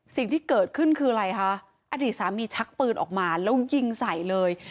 สิ่งที่เกิดขึ้นคืออะไรคะอดีตสามีชักปืนออกมาแล้วยิงใส่เลย